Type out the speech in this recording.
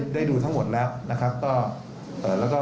ได้ดูทั้งหมดแล้ว